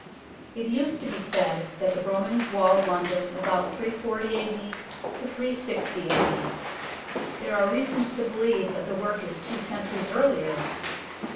It used to be said that the Romans walled London about 340 A.D. to 360 A.D. There are reasons to believe that the work is two centuries earlier.